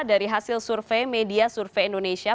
dari hasil survei media survei indonesia